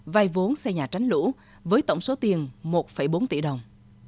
vay vốn xây nhà tránh lũ với tổng số tiền một bốn tỷ đồng